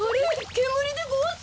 けむりでごわす。